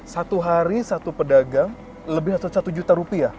satu hari satu pedagang lebih atau satu juta rupiah